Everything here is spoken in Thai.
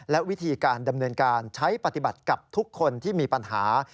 และวิธีการดำเนินการใช้ปฏิบัติกับทุกคนที่มีปัญหา